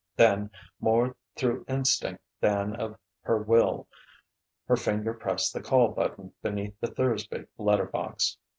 Then, more through instinct than of her will, her finger pressed the call button beneath the Thursby letter box.